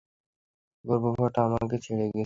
গর্দভটা আমাকে ছেড়ে চলে গেছে।